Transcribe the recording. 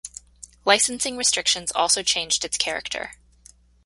Licensing restrictions also changed its character.